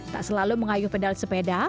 tak selalu mengayuh pedal sepeda